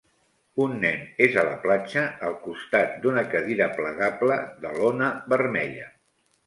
Un nen és a la platja al costat d'una cadira plegable de lona vermella.